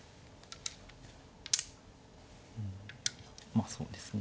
まあそうですね